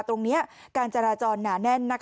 ตรงนี้การจราจรหนาแน่น